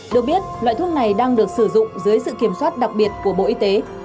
được biết loại thuốc này đang được sử dụng dưới sự kiểm soát đặc biệt của bộ y tế